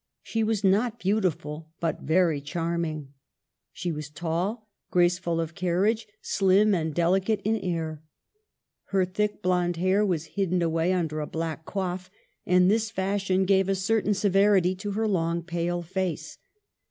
She was not beautiful, but ver\' charming. She was tall, graceful o{ carriage, slim and delicate in air. Her thick blond hair was hidden away luulcr a black coif; and this fashion gave a cer tain severit)' to her long pale face.